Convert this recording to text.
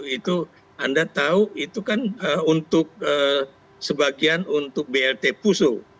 itu anda tahu itu kan untuk sebagian untuk blt puso